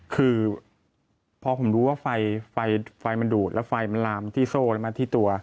คือพอผมรู้ว่าไฟมันดูดแล้วไฟมันลามที่โซ่แล้วมาที่ตัว